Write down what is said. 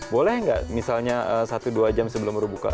boleh nggak misalnya satu dua jam sebelum berbuka